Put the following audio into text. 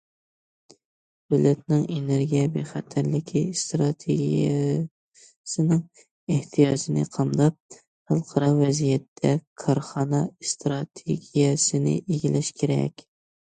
دۆلەتنىڭ ئېنېرگىيە بىخەتەرلىكى ئىستراتېگىيەسىنىڭ ئېھتىياجىنى قامداپ، خەلقئارا ۋەزىيەتتە كارخانا ئىستراتېگىيەسىنى ئىگىلەش كېرەك.